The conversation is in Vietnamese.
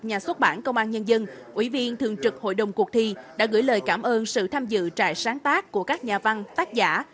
nhà xuất bản công an nhân dân ủy viên thường trực hội đồng cuộc thi đã gửi lời cảm ơn sự tham dự trại sáng tác của các nhà văn tác giả